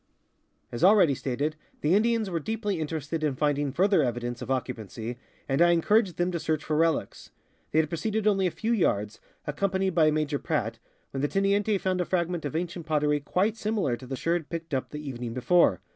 As already stated, the Indians were deeply interested in find ing further evidence of occupancy, and I encouraged them to search for relics. They had proceeded only a few yards, accom panied by Major Pradt, when the teniente found a fragment of ancient pottery quite similar to the sherd picked up the evening before.